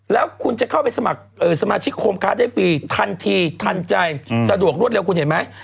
แล้วคุณจะเข้าไปสมัครสมาชิกโฮมคัสได้ฟรีทันทีทันใจสะดวกรวดเร็วคุณเห็นไหม